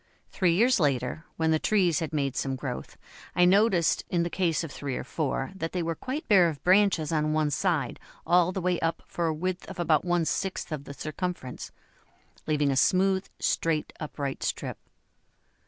Three years later, when the trees had made some growth, I noticed in the case of three or four that they were quite bare of branches on one side all the way up for a width of about one sixth of the circumference, leaving a smooth, straight, upright strip.